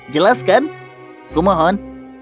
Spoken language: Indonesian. jelas kan kumohon